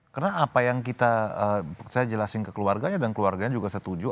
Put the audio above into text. karena apa yang kita saya jelasin ke keluarganya dan keluarganya juga setuju